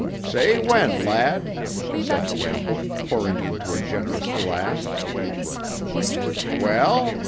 "Say when, lad," said Campbell, pouring into a generous glass. "Well?"